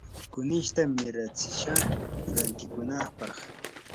kunishta miratsishaq rantikunapaq.